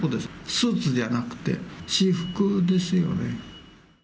スーツじゃなくて私服ですよね。